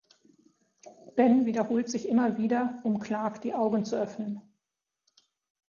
Ben wiederholt sich immer wieder, um Clark die Augen zu öffnen.